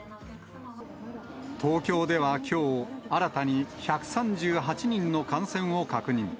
東京ではきょう、新たに１３８人の感染を確認。